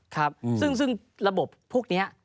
ครับซึ่งระบบพวกนี้